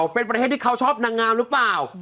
เป็นประเทศที่เขาชอบนางงามหรือเปล่า